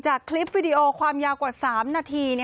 คลิปวิดีโอความยาวกว่า๓นาที